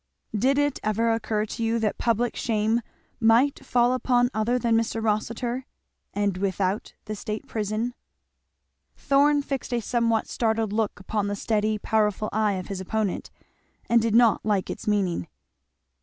"Did it ever occur to you that public shame might fall upon other than Mr. Rossitur? and without the State Prison?" Thorn fixed a somewhat startled look upon the steady powerful eye of his opponent, and did not like its meaning.